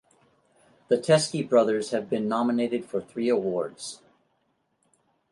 The Teskey Brothers have been nominated for three awards.